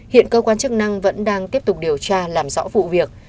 hiện cơ quan chức năng vẫn đang tiếp tục điều tra làm rõ vụ việc